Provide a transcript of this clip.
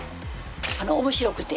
面白くて。